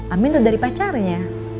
amin tahu dari pacarnya